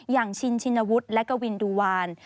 ชินชินวุฒิและกวินดูวาน